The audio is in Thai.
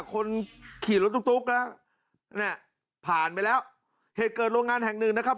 คนขี่รถตุ๊กแล้วเนี่ยผ่านไปแล้วเหตุเกิดโรงงานแห่งหนึ่งนะครับ